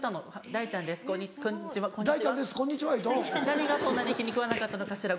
「何がそんなに気に食わなかったのかしら。